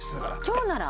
「今日なら」？